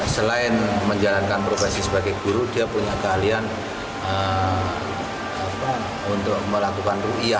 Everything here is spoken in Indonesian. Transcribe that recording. selain menjalankan profesi sebagai guru dia punya keahlian untuk melakukan ⁇ ruiyah